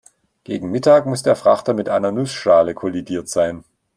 Gegen Mittag muss der Frachter mit einer Nussschale kollidiert sein.